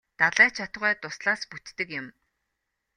Далай ч атугай дуслаас бүтдэг юм.